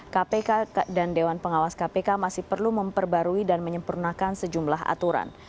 kpk dan dewan pengawas kpk masih perlu memperbarui dan menyempurnakan sejumlah aturan